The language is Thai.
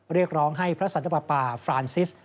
เรียกร้องให้พระสันตปาฟรานซิส